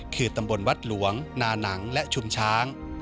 คือตำบลวัดหลวงนานังและชุมช้าง